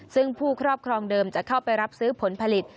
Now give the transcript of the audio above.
ซึ่งผู้ครอบครองเดิมจะเข้าไปรับซื้อผลผลิต